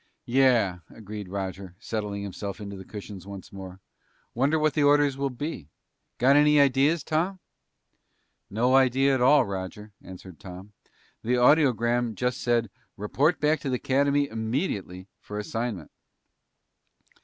"Yeah," agreed Roger, settling himself into the cushions once more. "Wonder what the orders will be. Got any ideas, Tom?" "No idea at all, Roger," answered Tom. "The audiogram just said report back to the Academy immediately for assignment."